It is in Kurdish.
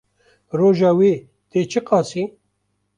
Roja wê tê çi qasî?